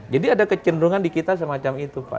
jadi ada kecenderungan di kita semacam itu pak